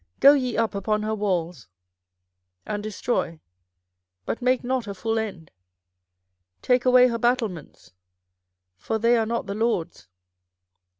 24:005:010 Go ye up upon her walls, and destroy; but make not a full end: take away her battlements; for they are not the LORD's.